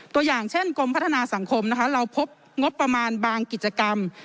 ตัวอย่างเช่นกรมพัฒนาสังคมนะคะเราพบงบประมาณบางกิจกรรม